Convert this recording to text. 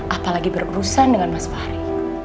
apalagi berurusan dengan mas fahri